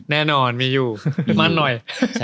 แน่นอนมีอยู่มั่นหน่อย